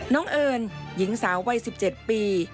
เอิญหญิงสาววัย๑๗ปี